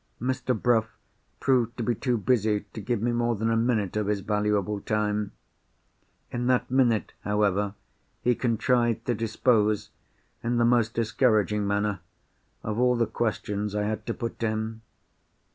Mr. Bruff proved to be too busy to give me more than a minute of his valuable time. In that minute, however, he contrived to dispose—in the most discouraging manner—of all the questions I had to put to him.